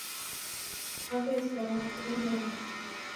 Waw'ezighana Kirerende